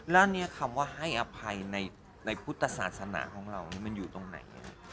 แล้วเนี่ยคำว่าให้อภัยในพุทธศาสนาของเรานี่มันอยู่ตรงไหน